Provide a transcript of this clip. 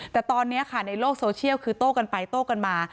แต่ตอนนี้ค่ะในโลกโซเชียลคือโต้กันไปโต้กันมา